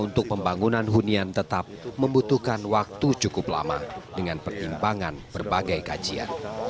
untuk pembangunan hunian tetap membutuhkan waktu cukup lama dengan pertimbangan berbagai kajian